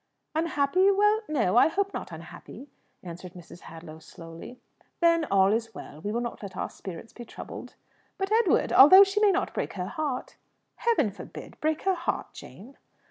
"Unhappy? Well, no; I hope not unhappy," answered Mrs. Hadlow slowly. "Then all is well. We will not let our spirits be troubled." "But, Edward, although she may not break her heart " "Heaven forbid! Break her heart, Jane?"